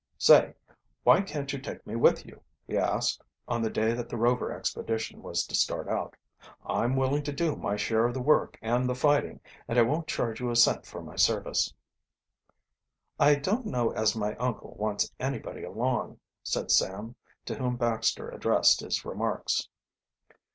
"Say, why can't you take me with you?" he asked, on the day that the Rover expedition was to start out. "I'm willing to do my share of the work and the fighting, and I won't charge you a cent for my service." "I don't know as my uncle wants anybody along," said Sam, to whom Baxter addressed his remarks.